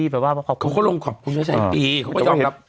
เขาก็ลงขอบคุณให้ใช้ฟรีเขาก็ยอมรับ